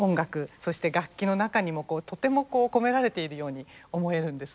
そして楽器の中にもとてもこう込められているように思えるんです。